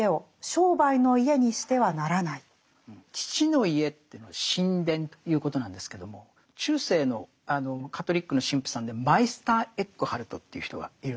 「父の家」っていうのは神殿ということなんですけども中世のカトリックの神父さんでマイスター・エックハルトという人がいるんですね。